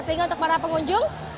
sehingga untuk para pengunjung